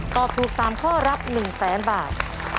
ตอบถูก๓ข้อรับ๑แสนบาท